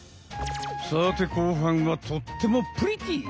さて後半はとってもプリティー！